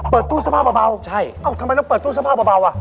เปิดตู้เสื้อผ้าเบาใช่เอ้าทำไมต้องเปิดตู้เสื้อผ้าเบาอ่ะ